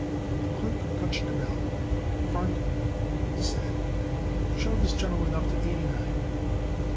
The clerk touched a bell. "Front," he said, "show this gentleman up to eighty nine."